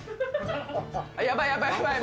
やばい、やばい、やばい。